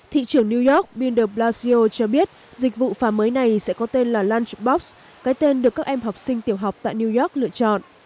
thị trưởng new york bill de blasio cho biết dịch vụ phá mới này sẽ có tên là lunchbox cái tên được các em học sinh tiểu học tại new york lựa chọn